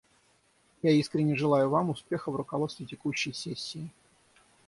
Я искренне желаю Вам успеха в руководстве текущей сессией.